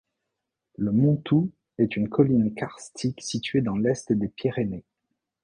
Le Montou est une colline karstique située dans l'Est des Pyrénées.